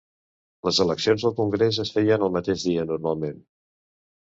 Les eleccions al congrés es feien el mateix dia normalment.